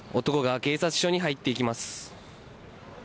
男が警察署に入っていきます。